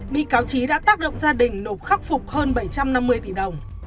bị cáo trí đã tác động gia đình nộp khắc phục hơn bảy trăm năm mươi tỷ đồng